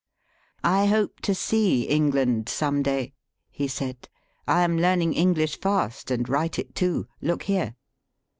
I hope to see England some day," he said. " I am learning English fast and write it too. Look here."